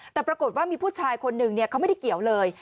แต่ปรากฏว่ามีผู้ชายคนหนึ่งเขาไม่ได้เกี่ยวเลย